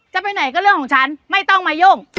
จะไปไหนก็เรื่องของฉันไม่ต้องมายุ่ง